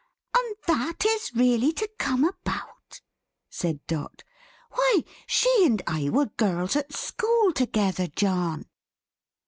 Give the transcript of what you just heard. "And that is really to come about!" said Dot. "Why, she and I were girls at school together, John."